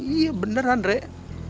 iya beneran rek